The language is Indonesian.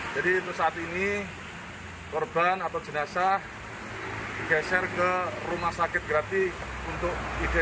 jadi itu saat ini korban atau jenazah digeser ke rumah sakit gratis untuk identifikasi